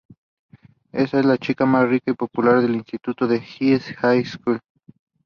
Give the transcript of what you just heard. The winner of this final will be awarded the King Trophy.